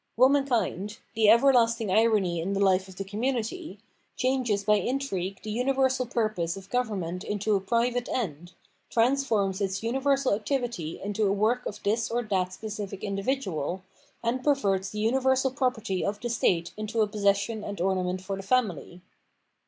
Womankind — the everlasting irony in the life of the community — changes by intrigue the universal purpose of government into a private end, transforms its rmiversal activity into a work of this or that specific individual, and perverts the universal 'property of the state into a possession and ornament for the family.